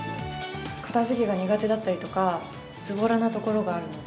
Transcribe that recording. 片づけが苦手だったりとか、ずぼらなところがあるので。